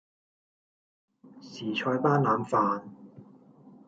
時菜班腩飯